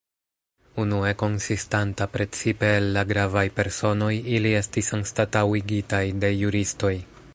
Unue konsistanta precipe el la gravaj personoj, ili estis anstataŭigitaj de juristoj.